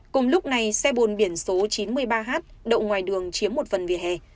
cùng lúc này xe bồn biển số chín mươi ba h đậu ngoài đường chiếm một phần vỉa hè